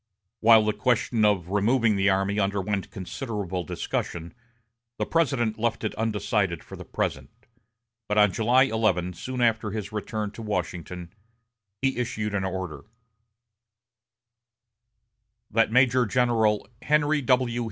While the question of removing the army underwent considerable discussion, the President left it undecided for the present; but on July 11, soon after his return to Washington, he issued an order: "That Major General Henry W.